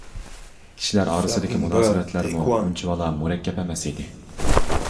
كىشىلەر ئارىسىدىكى مۇناسىۋەتلەرمۇ ئۇنچىۋالا مۇرەككەپ ئەمەس ئىدى.